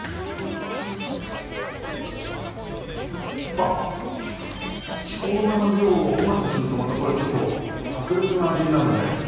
あっしょうがの量をうまくするとまたこれはちょっと格別な味になるね。